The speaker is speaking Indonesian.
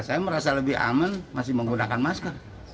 saya merasa lebih aman masih menggunakan masker